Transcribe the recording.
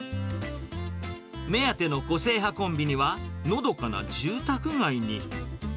目当ての個性派コンビニは、のどかな住宅街に。